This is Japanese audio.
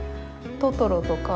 トトロとか。